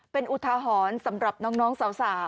เป็นอุทาหรณ์สำหรับน้องสาว